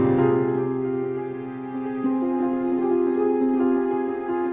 orang yang tadi siang dimakamin